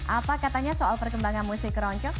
apa katanya soal perkembangan musik keroncong